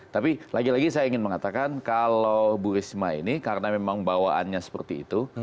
tapi lagi lagi saya ingin mengatakan kalau bu risma ini karena memang bawaannya seperti itu